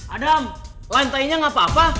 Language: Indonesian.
adam lantainya gak apa apa